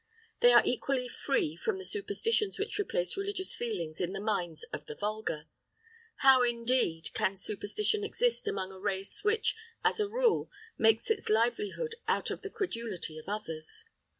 They are equally free from the superstitions which replace religious feeling in the minds of the vulgar. How, indeed, can superstition exist among a race which, as a rule, makes its livelihood out of the credulity of others?